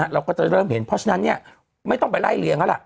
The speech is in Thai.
เราก็จะเริ่มเห็นเพราะฉะนั้นไม่ต้องไปไล่เลี้ยแล้วล่ะ